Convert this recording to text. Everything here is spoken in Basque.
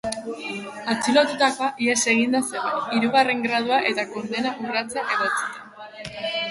Atxilotutakoa ihes eginda zegoen, hirugarren gradua eta kondena urratzea egotzita.